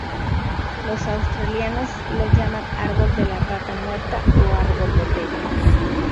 Los australianos lo llaman árbol de la rata muerta o árbol botella.